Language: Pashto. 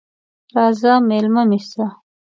راځه مېلمه مې سه!